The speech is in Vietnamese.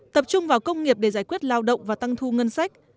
tập trung vào công nghiệp để giải quyết lao động và tăng thu ngân sách